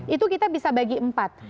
itu kita bisa bagi empat